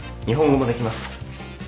日本語もできます。